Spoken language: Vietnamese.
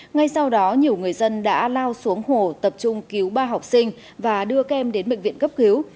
ngay sau đó nhiều người dân đã lao xuống hồ tập trung cứu ba học sinh và đưa các em đến bệnh viện cấp cứu